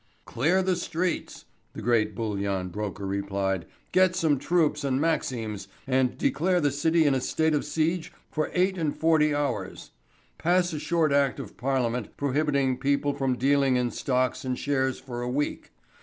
"Clear the streets," the great bullion broker replied. "Get some troops and Maxims, and declare the City in a state of siege for eight and forty hours. Pass a short Act of Parliament prohibiting people from dealing in stocks and shares for a week.